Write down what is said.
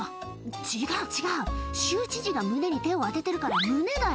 「違う違う州知事が胸に手を当ててるから胸だよ」